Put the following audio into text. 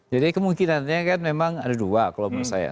jadi kemungkinannya kan memang ada dua kalau menurut saya